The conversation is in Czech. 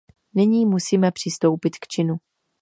Nyní musíme přistoupit k činu.